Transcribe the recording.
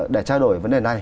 để trao đổi vấn đề này